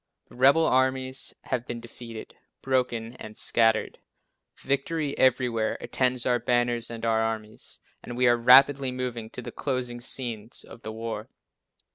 The rebel armies have been defeated, broken and scattered. Victory everywhere attends our banners and our armies, and we are rapidly moving to the closing scenes of the war.